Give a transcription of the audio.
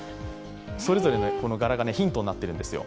それぞれの柄がヒントになってるんですよ。